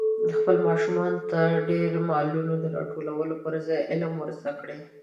خپلو ماشومانو ته د ډېرو مالونو د راټولولو پر ځای علم ور زده کړئ.